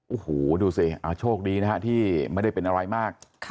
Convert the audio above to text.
โอ้โหดูสิโชคดีนะฮะที่ไม่ได้เป็นอะไรมาก